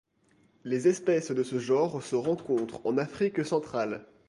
Les espèces de ce genre se rencontrent en Afrique centrale.